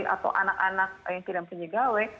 atau anak anak yang tidak punya gawe